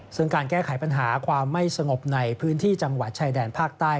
ซึ่งการแก้ไขปัญหาความไม่สงบในพื้นที่จังหวัดชายแดนภาคใต้